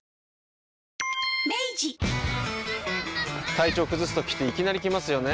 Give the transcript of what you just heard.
体調崩すときっていきなり来ますよね。